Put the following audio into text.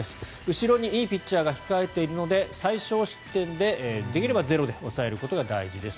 後ろにいいピッチャーが控えているので最少失点で、できればゼロで抑えることが大事です